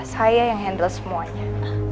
saya yang handle semuanya